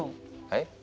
はい？